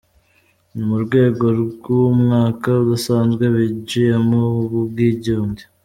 Ni mu rwego rw’umwaka udasanzwe binjiyemo w’ubwiyunge.